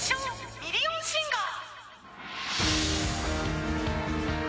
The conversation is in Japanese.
ミリオンシンガー